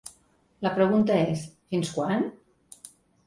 La pregunta és: fins quan?